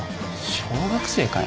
小学生かよ